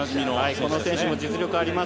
この選手も実力があります。